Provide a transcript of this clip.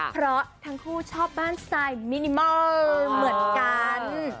เพราะทั้งคู่ชอบบ้านไซด์มินิมอลเหมือนกัน